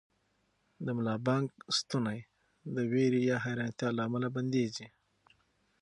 د ملا بانګ ستونی د وېرې یا حیرانتیا له امله بندېږي.